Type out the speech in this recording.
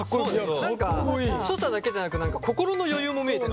何か所作だけじゃなく心の余裕も見えた。